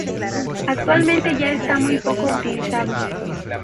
Actualmente ya está muy poco utilizado.